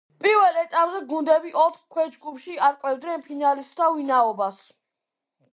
პირველ ეტაპზე გუნდები ოთხ ქვეჯგუფში არკვევდნენ ფინალისტთა ვინაობას.